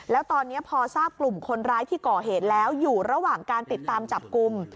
แล้วตอนนี้พอทราบกลุ่มคนร้ายที่ก่อเหตุแล้วอยู่ระหว่างการติดตามจับกลุ่ม